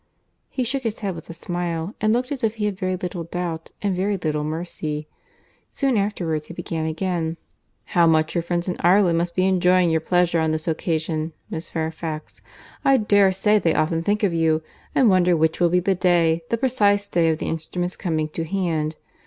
He shook his head with a smile, and looked as if he had very little doubt and very little mercy. Soon afterwards he began again, "How much your friends in Ireland must be enjoying your pleasure on this occasion, Miss Fairfax. I dare say they often think of you, and wonder which will be the day, the precise day of the instrument's coming to hand.